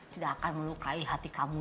tidak akan melukai hati kamu